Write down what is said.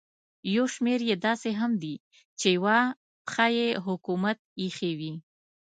یو شمېر یې داسې هم دي چې یوه پښه پر حکومت ایښې وي.